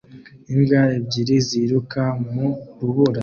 Imbwa ebyiri ziruka mu rubura